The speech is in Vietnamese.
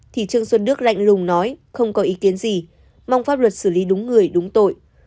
thì trương xuân đức lạnh lùng nói không có ý kiến gì mong pháp luật xử lý đúng người đúng tội